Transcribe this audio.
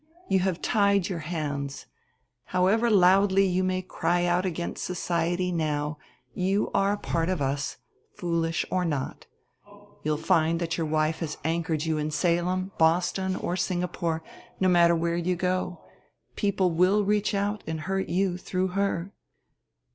You have tied your hands. However loudly you may cry out against society now you are a part of us, foolish or not. You'll find that your wife has anchored you in Salem, Boston or Singapore, no matter where you go: people will reach and hurt you through her.